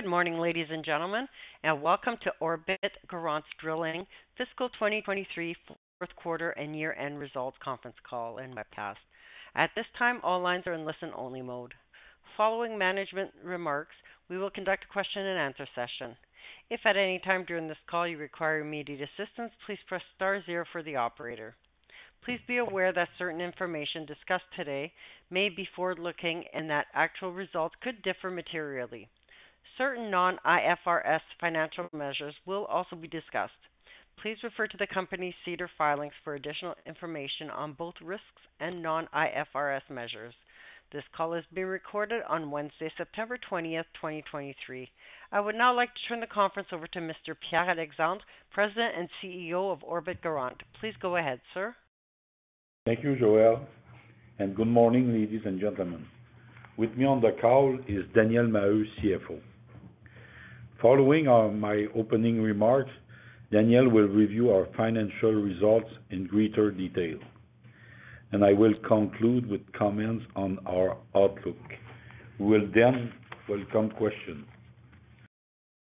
Good morning, ladies and gentlemen, and welcome to Orbit Garant Drilling Fiscal 2023 Fourth Quarter and Year-End Results Conference Call and Webcast. At this time, all lines are in listen-only mode. Following management remarks, we will conduct a question-and-answer session. If at any time during this call you require immediate assistance, please press Star Zero for the operator. Please be aware that certain information discussed today may be forward-looking and that actual results could differ materially. Certain non-IFRS financial measures will also be discussed. Please refer to the company's SEDAR filings for additional information on both risks and non-IFRS measures. This call is being recorded on Wednesday, September 20, 2023. I would now like to turn the conference over to Mr. Pierre Alexandre, President and CEO of Orbit Garant. Please go ahead, sir. Thank you, Joel, and good morning, ladies and gentlemen. With me on the call is Daniel Maheu, CFO. Following my opening remarks, Daniel will review our financial results in greater detail, and I will conclude with comments on our outlook. We will then welcome questions.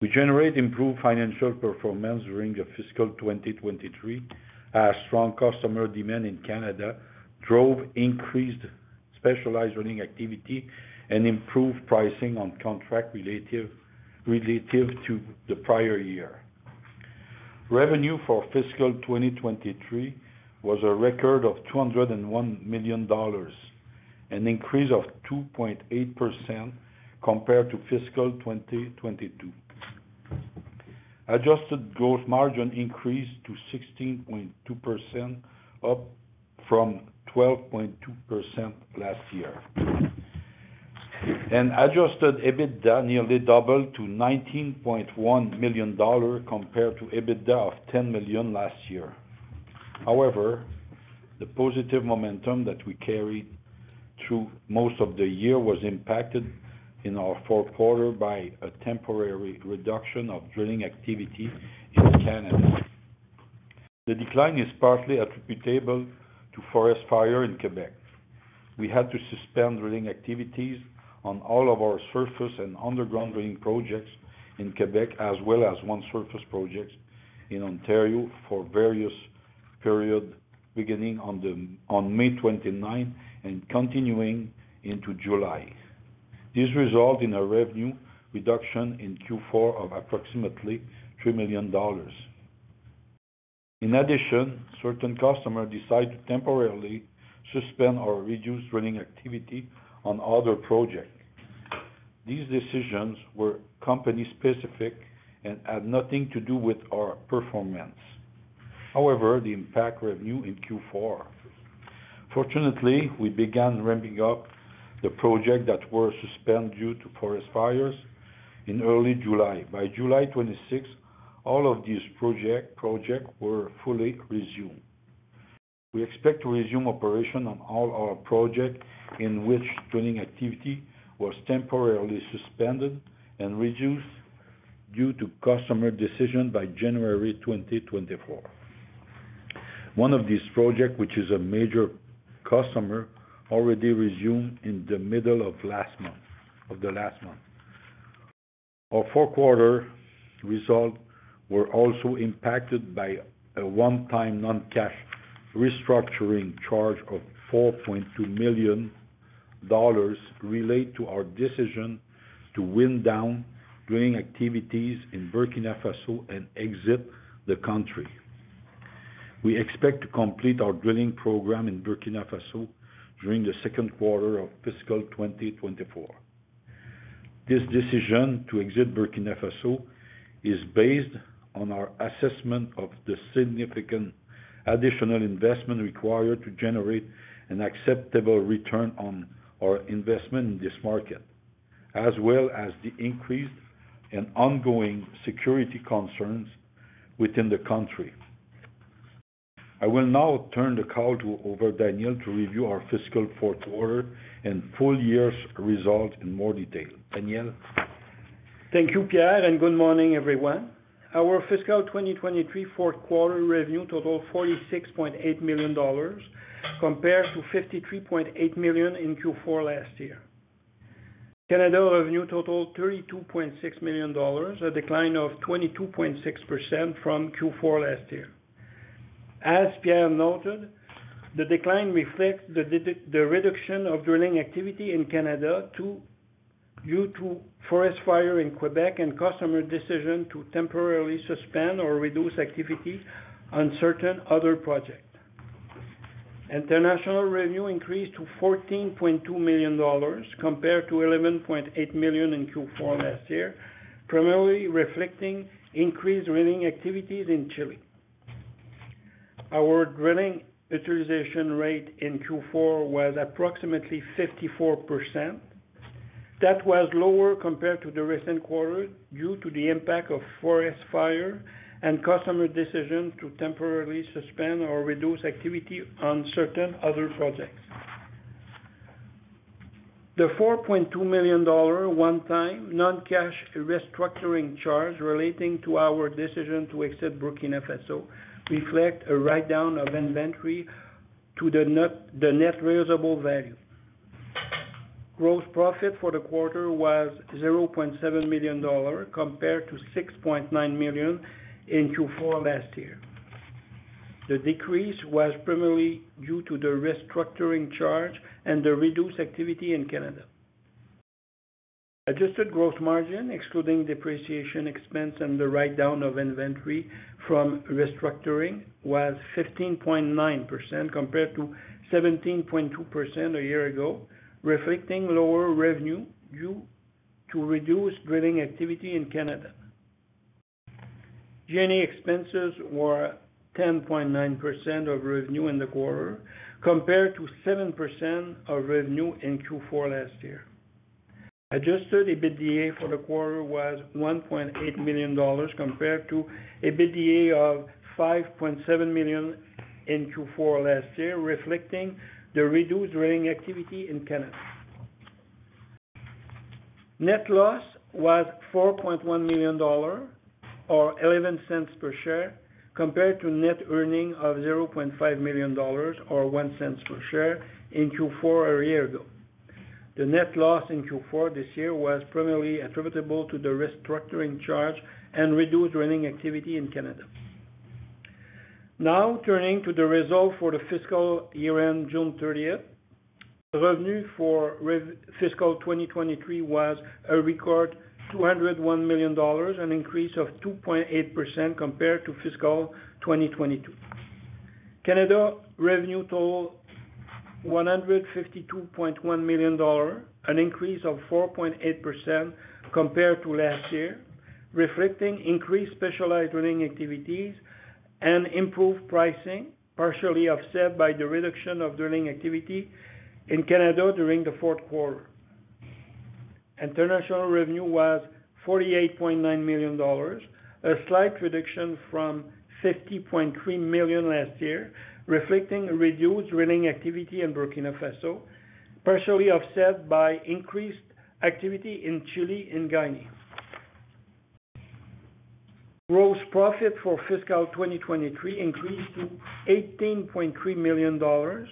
We generate improved financial performance during the fiscal 2023, as strong customer demand in Canada drove increased specialized drilling activity and improved pricing on contract relative to the prior year. Revenue for fiscal 2023 was a record of 201 million dollars, an increase of 2.8% compared to fiscal 2022. Adjusted gross margin increased to 16.2%, up from 12.2% last year. Adjusted EBITDA nearly doubled to 19.1 million dollars, compared to EBITDA of 10 million last year. However, the positive momentum that we carried through most of the year was impacted in our fourth quarter by a temporary reduction of drilling activity in Canada. The decline is partly attributable to forest fire in Quebec. We had to suspend drilling activities on all of our surface and underground drilling projects in Quebec, as well as one surface project in Ontario for various periods, beginning on May 29th and continuing into July. This result in a revenue reduction in Q4 of approximately 3 million dollars. In addition, certain customers decide to temporarily suspend or reduce drilling activity on other projects. These decisions were company-specific and had nothing to do with our performance. However, they impact revenue in Q4. Fortunately, we began ramping up the projects that were suspended due to forest fires in early July. By July 26th, all of these projects were fully resumed. We expect to resume operation on all our projects in which drilling activity was temporarily suspended and reduced due to customer decision by January 2024. One of these projects, which is a major customer, already resumed in the middle of last month. Our fourth quarter results were also impacted by a one-time non-cash restructuring charge of 4.2 million dollars related to our decision to wind down drilling activities in Burkina Faso and exit the country. We expect to complete our drilling program in Burkina Faso during the second quarter of fiscal 2024. This decision to exit Burkina Faso is based on our assessment of the significant additional investment required to generate an acceptable return on our investment in this market, as well as the increased and ongoing security concerns within the country. I will now turn the call over to Daniel to review our fiscal fourth quarter and full year's results in more detail. Daniel? Thank you, Pierre, and good morning, everyone. Our fiscal 2023 fourth quarter revenue totaled 46.8 million dollars compared to 53.8 million in Q4 last year. Canada revenue totaled 32.6 million dollars, a decline of 22.6% from Q4 last year. As Pierre noted, the decline reflects the reduction of drilling activity in Canada due to forest fire in Quebec and customer decision to temporarily suspend or reduce activity on certain other projects. International revenue increased to 14.2 million dollars compared to 11.8 million in Q4 last year, primarily reflecting increased drilling activities in Chile. Our drilling utilization rate in Q4 was approximately 54%. That was lower compared to the recent quarter due to the impact of forest fire and customer decision to temporarily suspend or reduce activity on certain other projects. The 4.2 million dollar one-time non-cash restructuring charge relating to our decision to exit Burkina Faso reflects a write-down of inventory to the net realizable value. Gross profit for the quarter was 0.7 million dollars, compared to 6.9 million in Q4 last year. The decrease was primarily due to the restructuring charge and the reduced activity in Canada. Adjusted gross margin, excluding depreciation expense and the write-down of inventory from restructuring, was 15.9%, compared to 17.2% a year ago, reflecting lower revenue due to reduced drilling activity in Canada. G&A expenses were 10.9% of revenue in the quarter, compared to 7% of revenue in Q4 last year. Adjusted EBITDA for the quarter was 1.8 million dollars, compared to EBITDA of 5.7 million in Q4 last year, reflecting the reduced drilling activity in Canada. Net loss was 4.1 million dollar, or 0.11 per share, compared to net earnings of 0.5 million dollars, or 0.01 per share, in Q4 a year ago. The net loss in Q4 this year was primarily attributable to the restructuring charge and reduced drilling activity in Canada. Now, turning to the results for the fiscal year-end, June thirtieth. Revenue for fiscal 2023 was a record 201 million dollars, an increase of 2.8% compared to fiscal 2022. Canada revenue totaled 152.1 million dollar, an increase of 4.8% compared to last year, reflecting increased specialized drilling activities and improved pricing, partially offset by the reduction of drilling activity in Canada during the fourth quarter. International revenue was 48.9 million dollars, a slight reduction from 50.3 million last year, reflecting a reduced drilling activity in Burkina Faso, partially offset by increased activity in Chile and Guinea. Gross profit for fiscal 2023 increased to 18.3 million dollars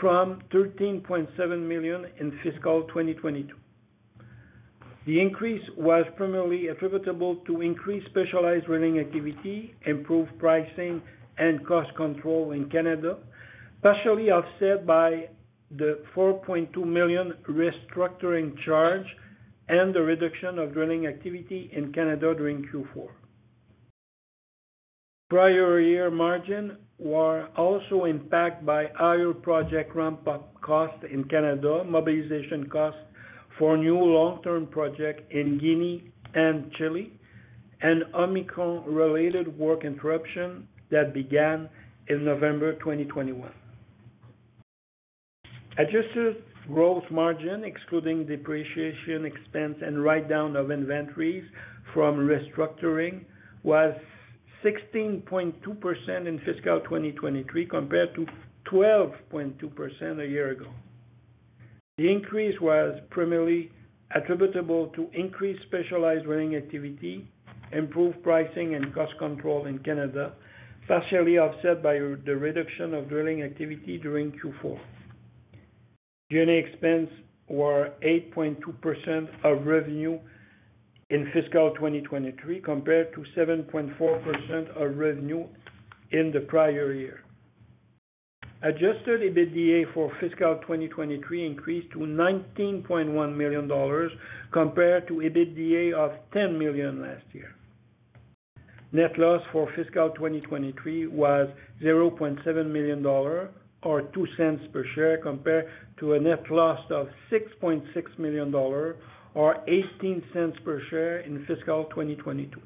from 13.7 million in fiscal 2022. The increase was primarily attributable to increased specialized drilling activity, improved pricing, and cost control in Canada, partially offset by the 4.2 million restructuring charge and the reduction of drilling activity in Canada during Q4. Prior year margin were also impacted by higher project ramp-up costs in Canada, mobilization costs for new long-term projects in Guinea and Chile, and Omicron-related work interruption that began in November 2021. Adjusted gross margin, excluding depreciation, expense, and write-down of inventories from restructuring, was 16.2% in fiscal 2023, compared to 12.2% a year ago. The increase was primarily attributable to increased specialized drilling activity, improved pricing and cost control in Canada, partially offset by the reduction of drilling activity during Q4. G&A expense were 8.2% of revenue in fiscal 2023, compared to 7.4% of revenue in the prior year. Adjusted EBITDA for fiscal 2023 increased to 19.1 million dollars compared to EBITDA of 10 million last year. Net loss for fiscal 2023 was 0.7 million dollar, or 0.02 per share, compared to a net loss of 6.6 million dollar, or 0.18 per share, in fiscal 2022.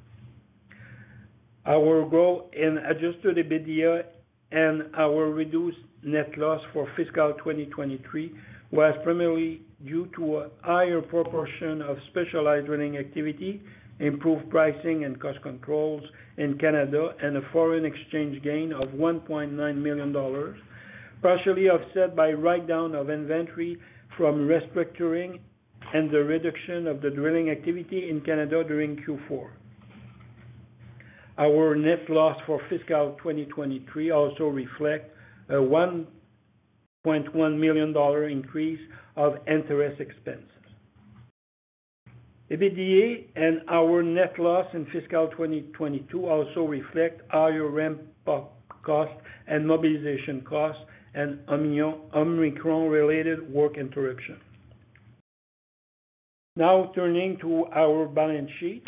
Our growth in adjusted EBITDA and our reduced net loss for fiscal 2023 was primarily due to a higher proportion of specialized drilling activity, improved pricing and cost controls in Canada, and a foreign exchange gain of 1.9 million dollars, partially offset by write-down of inventory from restructuring and the reduction of the drilling activity in Canada during Q4. Our net loss for fiscal 2023 also reflect a 1.1 million dollar increase of interest expenses. EBITDA and our net loss in fiscal 2022 also reflect higher ramp-up costs and mobilization costs and Omicron-related work interruption. Now, turning to our balance sheet.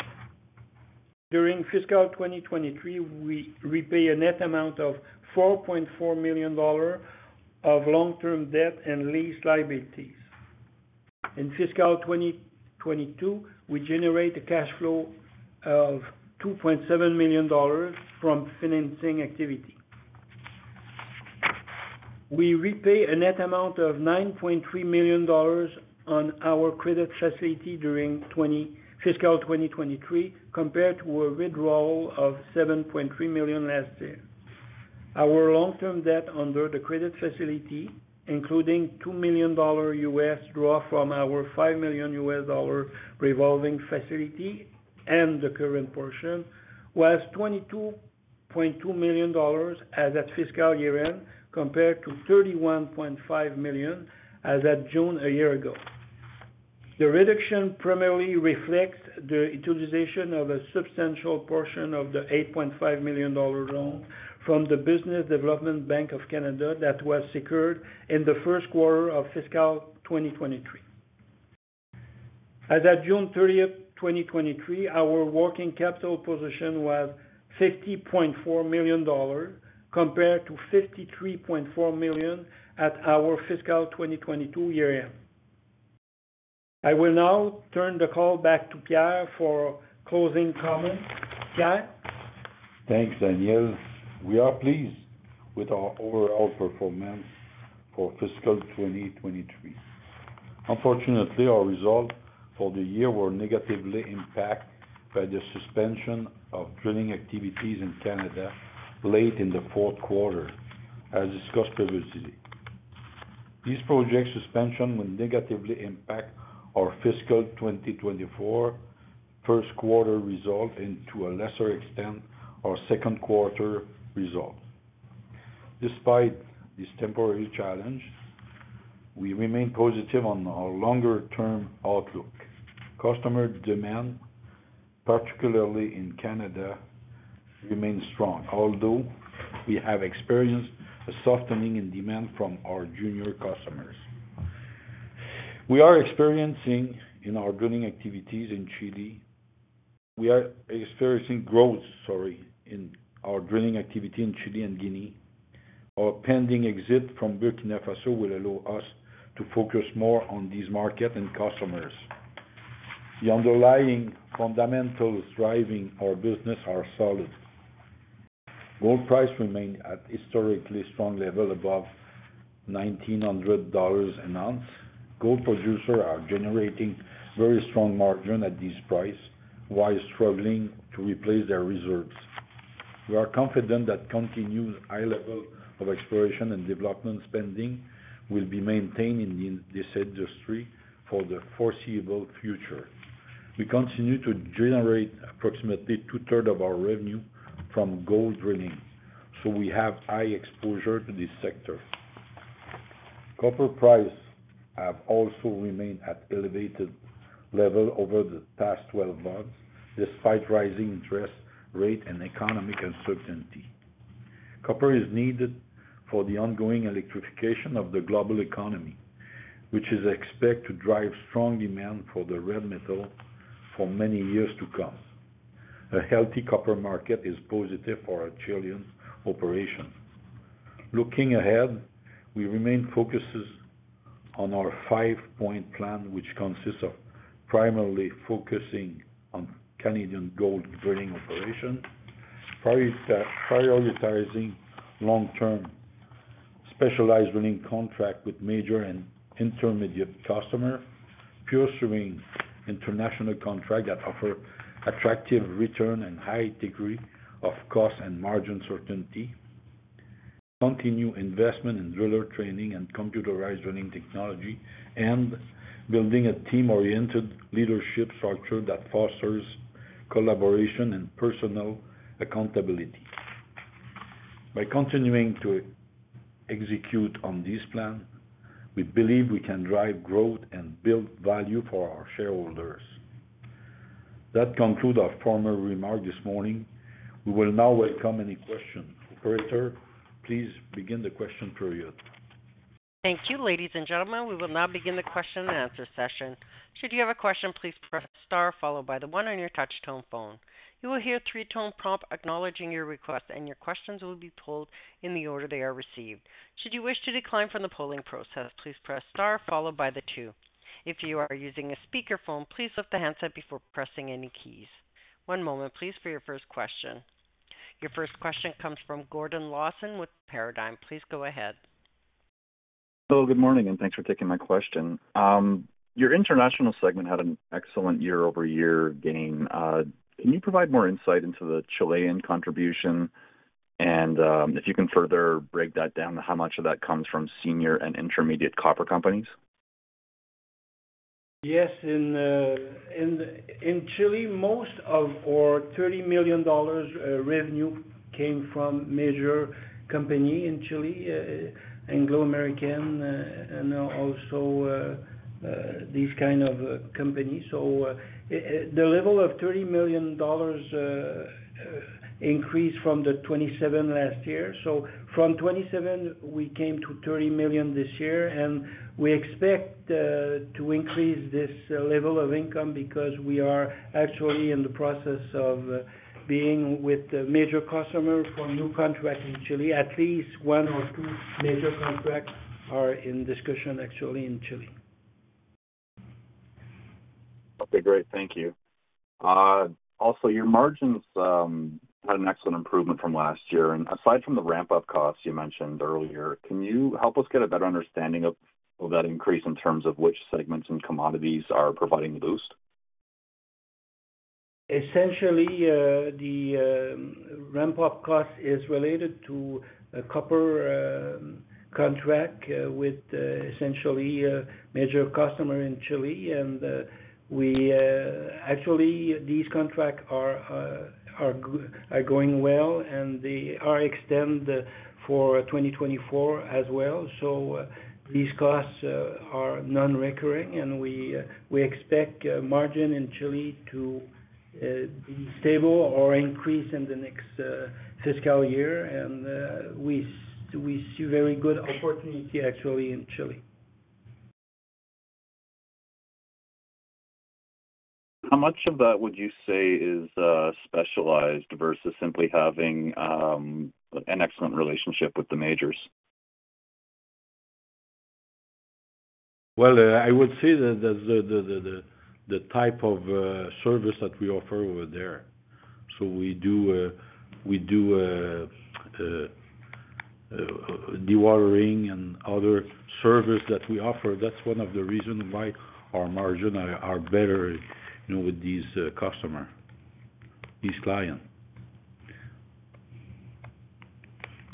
During fiscal 2023, we repay a net amount of 4.4 million dollars of long-term debt and lease liabilities. In fiscal 2022, we generate a cash flow of 2.7 million dollars from financing activity. We repay a net amount of 9.3 million dollars on our credit facility during fiscal 2023, compared to a withdrawal of 7.3 million last year. Our long-term debt under the credit facility, including $2 million draw from our $5 million revolving facility, and the current portion, was 22.2 million dollars as at fiscal year-end, compared to 31.5 million as at June a year ago. The reduction primarily reflects the utilization of a substantial portion of the 8.5 million dollar loan from the Business Development Bank of Canada that was secured in the first quarter of fiscal 2023. As at June 30, 2023, our working capital position was 50.4 million dollars, compared to 53.4 million at our fiscal 2022 year-end. I will now turn the call back to Pierre for closing comments. Pierre? Thanks, Daniel. We are pleased with our overall performance for fiscal 2023. Unfortunately, our results for the year were negatively impacted by the suspension of drilling activities in Canada late in the fourth quarter, as discussed previously. These project suspension will negatively impact our fiscal 2024 first quarter results and, to a lesser extent, our second quarter results. Despite this temporary challenge, we remain positive on our longer-term outlook. Customer demand, particularly in Canada, remains strong, although we have experienced a softening in demand from our junior customers. We are experiencing growth, sorry, in our drilling activity in Chile and Guinea. Our pending exit from Burkina Faso will allow us to focus more on these markets and customers. The underlying fundamentals driving our business are solid. Gold price remain at historically strong level, above $1,900 an ounce. Gold producers are generating very strong margins at this price, while struggling to replace their reserves. We are confident that continued high level of exploration and development spending will be maintained in this industry for the foreseeable future. We continue to generate approximately 2/3 of our revenue from gold drilling, so we have high exposure to this sector. Copper prices have also remained at elevated levels over the past 12 months, despite rising interest rates and economic uncertainty. Copper is needed for the ongoing electrification of the global economy, which is expected to drive strong demand for the rare metal for many years to come. A healthy copper market is positive for our Chilean operations. Looking ahead, we remain focused on our 5-point plan, which consists of primarily focusing on Canadian gold drilling operation, prioritizing long-term specialized drilling contract with major and intermediate customer, pursuing international contract that offer attractive return and high degree of cost and margin certainty, continue investment in driller training and computerized drilling technology, and building a team-oriented leadership structure that fosters collaboration and personal accountability. By continuing to execute on this plan, we believe we can drive growth and build value for our shareholders. That conclude our formal remark this morning. We will now welcome any question. Operator, please begin the question period. Thank you, ladies and gentlemen. We will now begin the question and answer session. Should you have a question, please press star followed by the one on your touch tone phone. You will hear a three-tone prompt acknowledging your request, and your questions will be polled in the order they are received. Should you wish to decline from the polling process, please press star followed by the two. If you are using a speakerphone, please lift the handset before pressing any keys. One moment, please, for your first question. Your first question comes from Gordon Lawson with Paradigm Capital. Please go ahead. Hello, good morning, and thanks for taking my question. Your international segment had an excellent year-over-year gain. Can you provide more insight into the Chilean contribution? And, if you can further break that down, how much of that comes from senior and intermediate copper companies? Yes, in Chile, most of our 30 million dollars revenue came from major company in Chile, Anglo American, and also these kind of companies. So, the level of 30 million dollars increased from the 27 million last year. So from 27 million, we came to 30 million this year, and we expect to increase this level of income because we are actually in the process of being with the major customer for new contract in Chile. At least one or two major contracts are in discussion, actually, in Chile. Okay, great. Thank you. Also, your margins had an excellent improvement from last year. Aside from the ramp-up costs you mentioned earlier, can you help us get a better understanding of that increase in terms of which segments and commodities are providing the boost? Essentially, the ramp-up cost is related to a copper contract with essentially a major customer in Chile, and-- Actually, these contracts are going well, and they are extend for 2024 as well. So, these costs are non-recurring, and we expect margin in Chile to be stable or increase in the next fiscal year. And we see very good opportunity actually in Chile. How much of that would you say is specialized versus simply having an excellent relationship with the majors? Well, I would say that the type of service that we offer over there. We do dewatering and other service that we offer. That's one of the reasons why our margin are better, you know, with these customer, these client.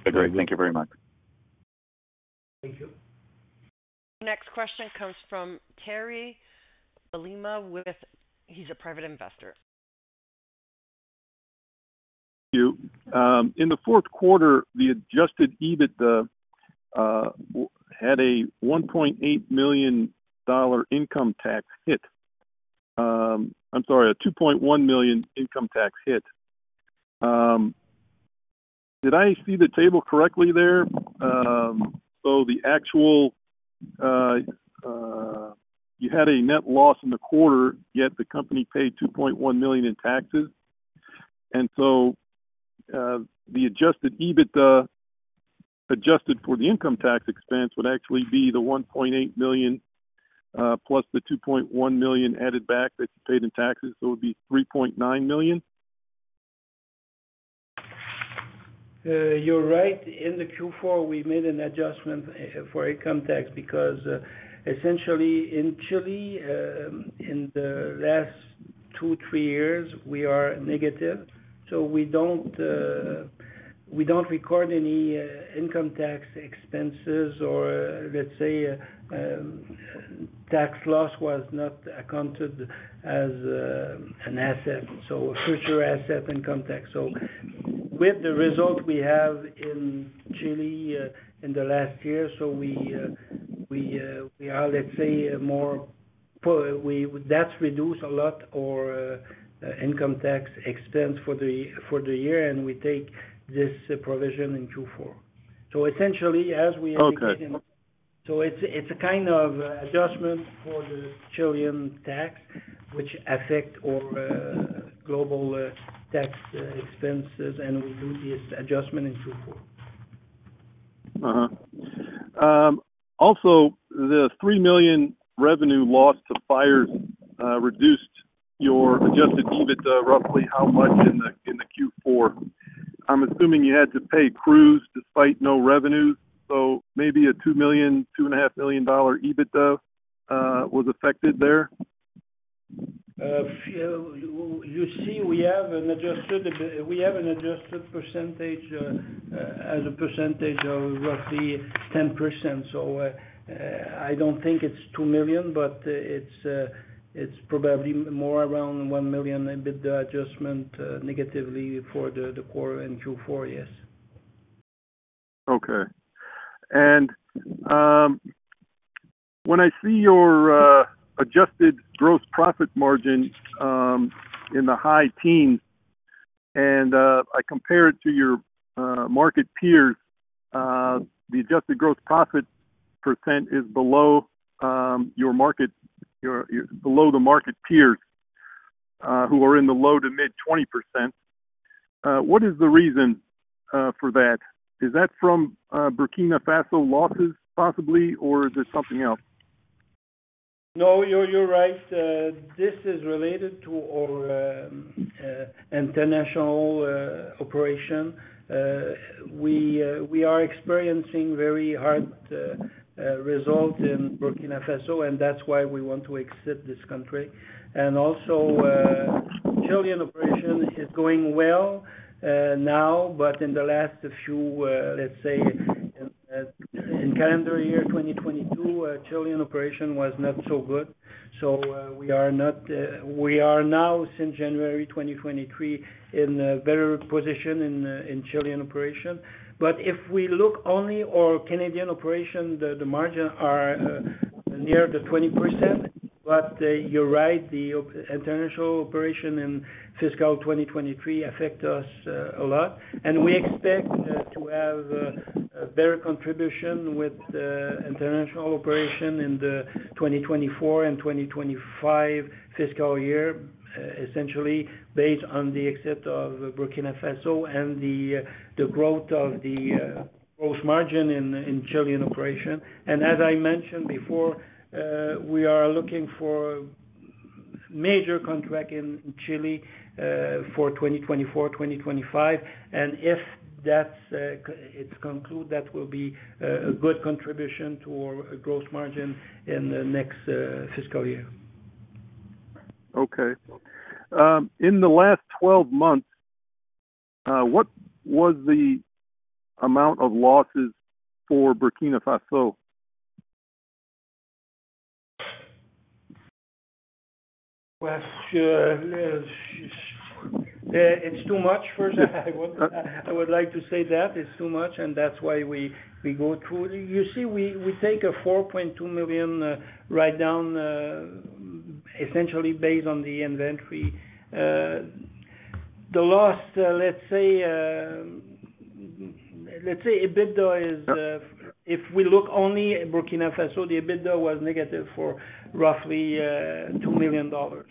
Great. Thank you very much. Thank you. Next question comes from Terry Lima with-- He's a private investor. In the fourth quarter, the adjusted EBITDA had a 1.8 million dollar income tax hit. I'm sorry, a 2.1 million income tax hit. Did I see the table correctly there? So the actual, you had a net loss in the quarter, yet the company paid 2.1 million in taxes. And so, the Adjusted EBITDA, adjusted for the income tax expense, would actually be the 1.8 million, plus the 2.1 million added back that you paid in taxes, so it would be 3.9 million. You're right. In Q4, we made an adjustment for income tax because essentially in Chile, in the last two, three years, we are negative, so we don't record any income tax expenses or, let's say, tax loss was not accounted as an asset, so a future asset, income tax. So with the result we have in Chile in the last year, so we are, let's say, more poor. We -- That's reduced a lot our income tax expense for the year, and we take this provision in Q4. So essentially, as we indicated- Okay. So it's a kind of adjustment for the Chilean tax, which affect our global tax expenses, and we do this adjustment in Q4. Also, the 3 million revenue loss to fires reduced your adjusted EBITDA roughly how much in Q4? I'm assuming you had to pay crews despite no revenues, so maybe a 2 million-2.5 million dollar EBITDA was affected there. You see, we have an adjusted, we have an adjusted percentage as a percentage of roughly 10%. I don't think it's 2 million, but it's probably more around 1 million EBITDA adjustment negatively for the quarter in Q4. Yes. Okay. When I see your adjusted gross profit margin in the high teens and I compare it to your market peers, the adjusted gross profit percent is below your market peers, who are in the low to mid-20%. What is the reason for that? Is that from Burkina Faso losses, possibly, or is there something else? No, you're, you're right. This is related to our international operation. We are experiencing very hard results in Burkina Faso, and that's why we want to exit this country. And also, Chilean operation is going well now, but in the last few, let's say, in calendar year 2022, Chilean operation was not so good. So, we are not, we are now, since January 2023, in a better position in Chilean operation. But if we look only our Canadian operation, the, the margin are near the 20%. But, you're right, the international operation in fiscal 2023 affect us a lot. And we expect to have a better contribution with the international operation in the 2024 and 2025 fiscal year, essentially based on the exit of Burkina Faso and the growth of the gross margin in Chilean operation. And as I mentioned before, we are looking for major contract in Chile, for 2024, 2025, and if that's, it's conclude, that will be a good contribution to our growth margin in the next fiscal year. Okay. In the last 12 months, what was the amount of losses for Burkina Faso? Well, it's too much. First, I would like to say that it's too much, and that's why we go through. You see, we take a 4.2 million write down, essentially based on the inventory. The last, let's say, EBITDA is, if we look only at Burkina Faso, the EBITDA was negative for roughly 2 million dollars.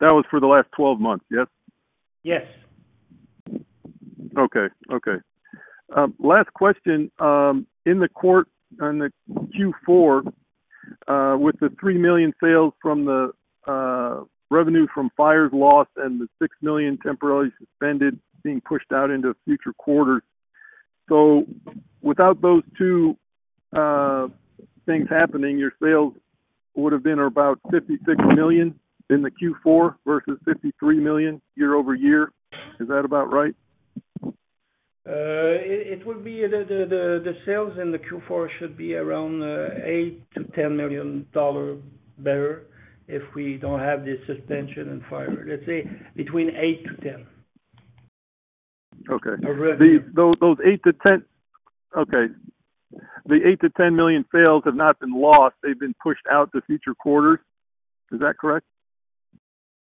That was for the last 12 months, yes? Yes. Okay. Last question. In the quarter, on the Q4, with the 3 million sales from the revenue from fires lost and the 6 million temporarily suspended being pushed out into future quarters. So without those two things happening, your sales would have been about 56 million in the Q4 versus 53 million year-over-year. Is that about right? It would be the sales in the Q4 should be around 8 million-10 million dollar better if we don't have the suspension and fire. Let's say between 8 million-10 million. Okay. Of revenue. Okay, the 8 million-10 million sales have not been lost, they've been pushed out to future quarters. Is that correct?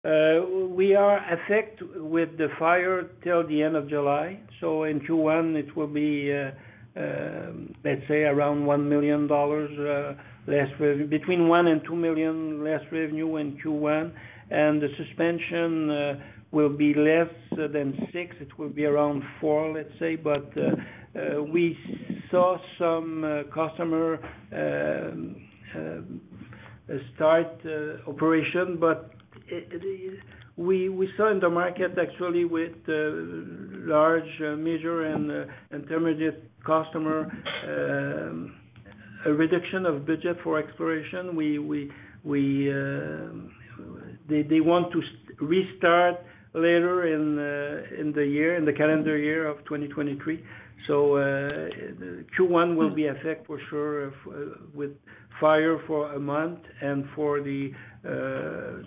We are affect with the fire till the end of July. In Q1, it will be around 1 million dollars less revenue. Between 1 million-2 million less revenue in Q1, and the suspension will be less than six. It will be around four, let's say. We saw some customer start operation, but we saw in the market actually with large major and intermediate customer a reduction of budget for exploration. We-- They want to restart later in the calendar year of 2023. So, Q1 will be affected for sure if, with fire for a month and for the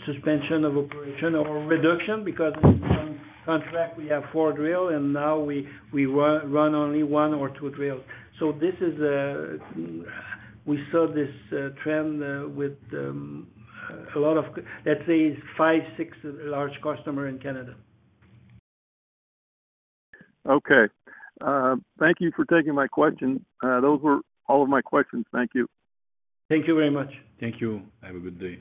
suspension of operation or reduction, because on contract, we have four drills, and now we run only one or two drills. So this is, we saw this trend with a lot of, let's say, five, six large customers in Canada. Okay. Thank you for taking my questions. Those were all of my questions. Thank you. Thank you very much. Thank you. Have a good day.